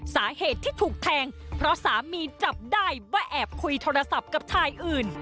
สาเหตุที่ถูกแทงเพราะสามีจับได้ว่าแอบคุยโทรศัพท์กับชายอื่น